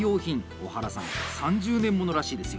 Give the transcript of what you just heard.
小原さん、３０年物らしいですよ。